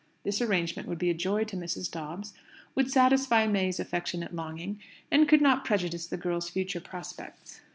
This arrangement would be a joy to Mrs. Dobbs, would satisfy May's affectionate longing, and could not prejudice the girl's future prospects.